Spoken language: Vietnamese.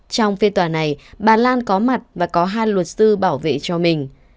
trong phiên tòa này bà lan có mặt và có hai luật sư bảo vệ cho mình